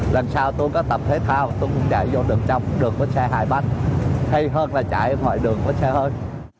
làm sao tôi có tập thể thao tôi cũng chạy vô đường trong đường với xe hai bánh hay hơn là chạy ngoài đường với xe hơi